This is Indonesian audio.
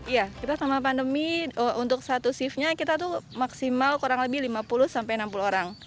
ya kita selama pandemi untuk satu shiftnya kita tuh maksimal kurang lebih lima puluh sampai enam puluh orang